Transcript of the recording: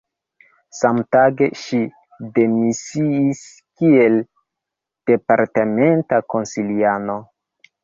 Samtage, ŝi demisiis kiel departementa konsiliano.